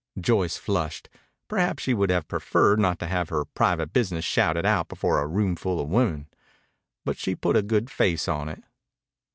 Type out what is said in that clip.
Joyce flushed. Perhaps she would have preferred not to have her private business shouted out before a roomful of women. But she put a good face on it.